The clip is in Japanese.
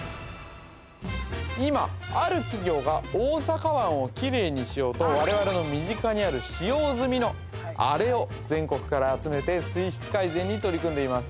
今ある企業が大阪湾をきれいにしようとわれわれの身近にある使用済みのあれを全国から集めて水質改善に取り組んでいます